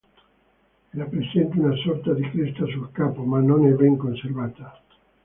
Era presente una sorta di cresta sul capo, ma non è ben conservata.